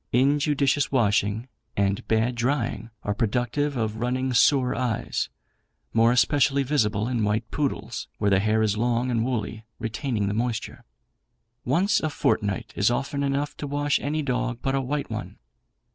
Injudicious washing and bad drying are productive of running sore eyes, more especially visible in white poodles, where the hair is long and woolly, retaining the moisture. "Once a fortnight is often enough to wash any dog but a white one.